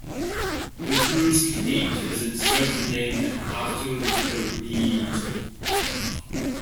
The Creuse Cake is a dessert named after the region.